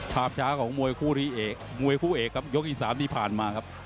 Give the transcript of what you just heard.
ภาพช้าของมวยคู่นี้เอกมวยคู่เอกครับยกที่๓ที่ผ่านมาครับ